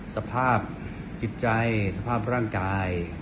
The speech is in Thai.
สภาพจิตใจสภาพร่างกาย